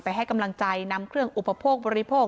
ให้กำลังใจนำเครื่องอุปโภคบริโภค